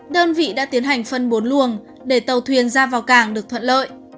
đơn vị đã tiến hành phân bốn luồng để tàu thuyền ra vào cảng được thuận lợi